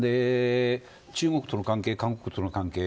中国との関係、韓国との関係